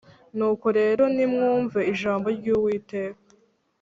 Nuko rero nimwumve ijambo ry Uwiteka